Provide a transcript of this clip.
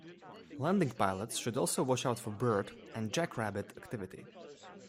Landing pilots should also watch out for bird and jackrabbit activity.